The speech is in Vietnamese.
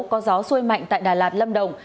có gió xôi mạnh tại đà lạt lâm đồng